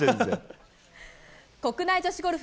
国内女子ゴルフ。